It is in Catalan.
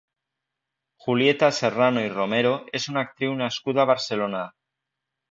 Julieta Serrano i Romero és una actriu nascuda a Barcelona.